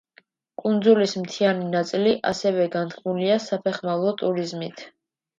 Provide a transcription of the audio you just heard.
კუნძულის მთიანი ნაწილი ასევე განთქმულია საფეხმავლო ტურიზმით.